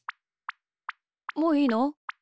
もういいの？